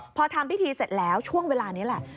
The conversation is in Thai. พอทำพิธีเสร็จแล้วช่วงเวลานี้แหละ